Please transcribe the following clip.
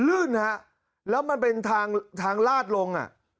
ลื่นฮะแล้วมันเป็นทางทางลาดลงอ่ะ